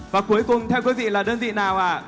và cuối cùng theo quý vị là đơn vị nào à